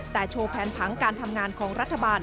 แต่โชว์แผนผังการทำงานของรัฐบาล